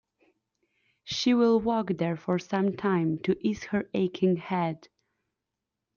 She will walk there for some time to ease her aching head.